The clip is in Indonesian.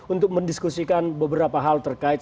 untuk mendiskusikan beberapa hal terkait